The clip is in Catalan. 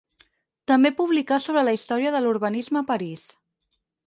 També publicà sobre la història de l'urbanisme a París.